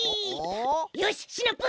よしシナプー！